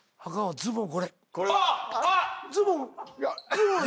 「ズボン」